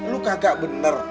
lo kagak bener